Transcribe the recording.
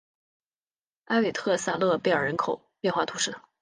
埃韦特萨勒贝尔人口变化图示